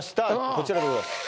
こちらでございます